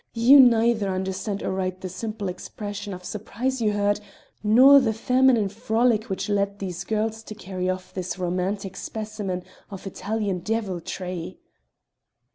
You neither understand aright the simple expression of surprise you heard, nor the feminine frolic which led these girls to carry off this romantic specimen of Italian deviltry."